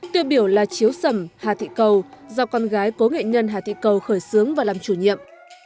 tiêu biểu là chiếu sẩm hà thị cầu do con gái cố nghệ nhân hà thị cầu khởi xướng và làm chủ nhiệm